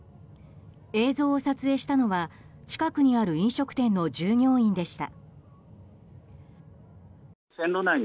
映像を撮影したのは、近くにある飲食店の従業員でした。